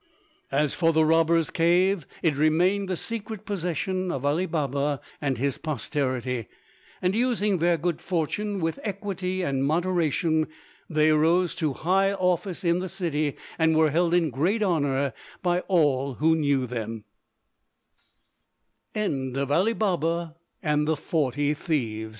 As for the robbers'cave, it remained the secret possession of Ali Baba and his posterity; and using their good fortune with equity and moderation, they rose to high office in the city and were held in great honour by all who